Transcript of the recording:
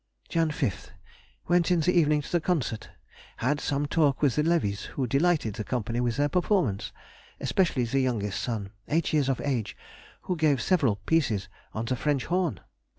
Jan. 5th.—Went in the evening to the concert; had some talk with the Levies, who delighted the company with their performance, especially the youngest son, eight years of age, who gave several pieces on the French horn.